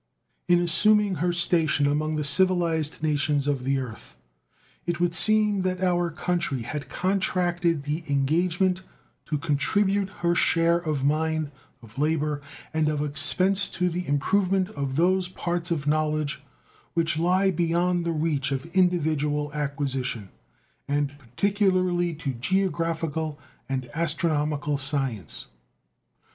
In assuming her station among the civilized nations of the earth it would seem that our country had contracted the engagement to contribute her share of mind, of labor, and of expense to the improvement of those parts of knowledge which lie beyond the reach of individual acquisition, and particularly to geographical and astronomical science.